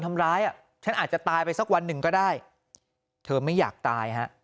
ทำร้ายอ่ะฉันอาจจะตายไปสักวันหนึ่งก็ได้เธอไม่อยากตายฮะ